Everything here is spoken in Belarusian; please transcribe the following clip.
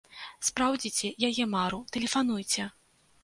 Спраўдзіце яе мару, тэлефануйце!